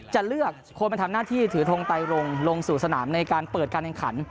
จะเลือกคนมาทำหน้าที่ถือทงไตรงลงสู่สนามในการเปิดการแข่งขัน